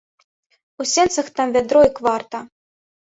У сенцах там вядро і кварта.